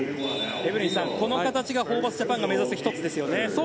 エブリンさん、この形がホーバスジャパンが目指す１つですよね。